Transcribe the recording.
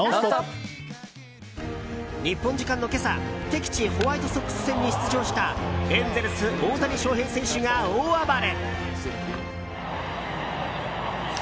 日本時間の今朝敵地ホワイトソックス戦に出場したエンゼルス、大谷翔平選手が大暴れ。